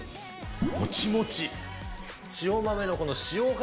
もちもち。